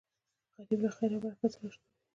غریب له خیر او برکت سره اشنا وي